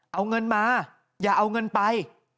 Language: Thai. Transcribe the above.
เอาเงินมาอย่าเอาเงินไป